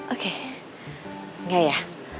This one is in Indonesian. oke engga ya